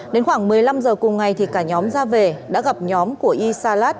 đến khoảng một mươi năm giờ cùng ngày cả nhóm ra về đã gặp nhóm của y salat